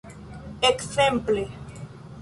ekzemple